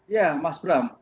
ya mas bram